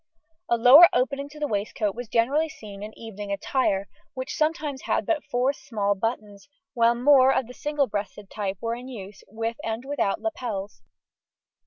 A lower opening to the waistcoat was generally seen in evening attire, which sometimes had but four small buttons, while more of the single breasted type were in use, with and without lapels.